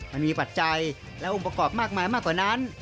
ปัจจัยและองค์ประกอบมากมายมากกว่านั้น